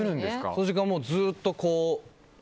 その時間、ずっとこう。